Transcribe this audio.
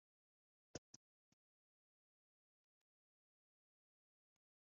abatutsi bakoreraga ibyo bigo mbere ya jenoside